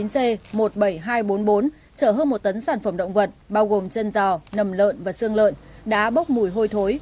chở hơn một tấn sản phẩm động vật bao gồm chân dò nầm lợn và xương lợn đá bốc mùi hôi thối